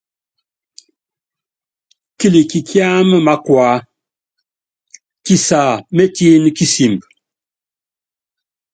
Kilik kiámɛ mákua, kisa métiin kisimb.